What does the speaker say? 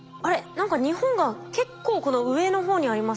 何か日本が結構この上の方にありますけど。